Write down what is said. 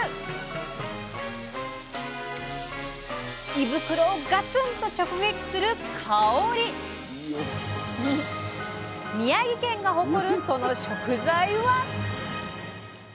胃袋をガツンと直撃する宮城県が誇るその食材は？